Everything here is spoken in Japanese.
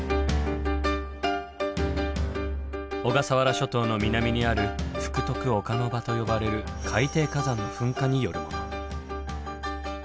小笠原諸島の南にある福徳岡ノ場と呼ばれる海底火山の噴火によるもの。